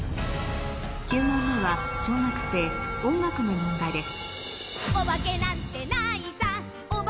９問目は小学生音楽の問題です